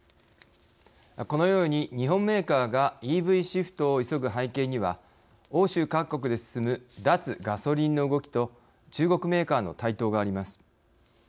このように日本メーカーがＥＶシフトを急ぐ背景には欧州各国で進む脱ガソリンの動きと中国メーカーの台頭があります。